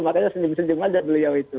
makanya senjung senjung saja beliau itu